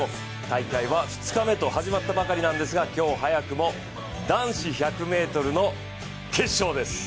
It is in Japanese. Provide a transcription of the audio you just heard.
大会は２日目と始まったばかりなんですが今日早くも男子１００ｍの決勝です。